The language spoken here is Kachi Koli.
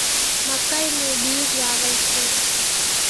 مڪئِي نون ٻيز واوون سي۔